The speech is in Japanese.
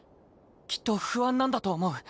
きっと不安なんだと思う。